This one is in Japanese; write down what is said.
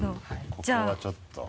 ここがちょっと。